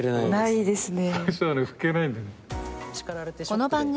ないですね。